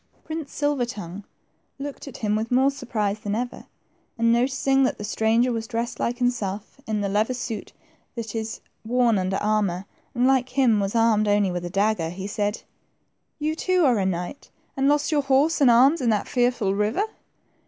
Prince Silver tongue looked at him with more surprise than ever, and noticing that the stranger was dressed like himself in the leather suit that is worn under armor, and like him was armed only with a dagger, he said, You too are a knight, and lost your horse and arms in that fearful river